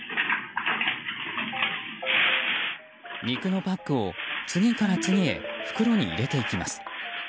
肉のパックを次から次へ袋に入れていきます。